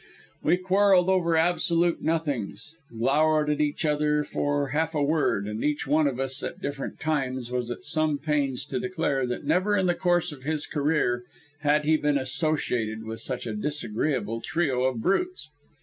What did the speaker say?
We quarreled over absolute nothings, glowered at each other for half a word, and each one of us, at different times, was at some pains to declare that never in the course of his career had he been associated with such a disagreeable trio of brutes.